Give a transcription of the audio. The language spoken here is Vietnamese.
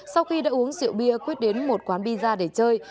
sau khi đã uống rượu bia quyết đến một quán pizza để chơi